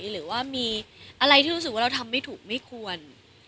หรือว่ามีอะไรที่รู้สึกว่าเราทำไม่ถูกไม่ควร